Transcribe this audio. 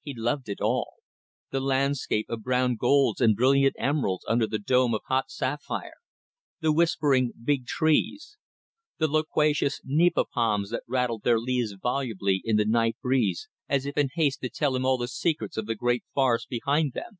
He loved it all: the landscape of brown golds and brilliant emeralds under the dome of hot sapphire; the whispering big trees; the loquacious nipa palms that rattled their leaves volubly in the night breeze, as if in haste to tell him all the secrets of the great forest behind them.